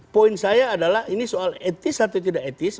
poin saya adalah ini soal etis atau tidak etis